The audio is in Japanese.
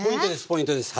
ポイントです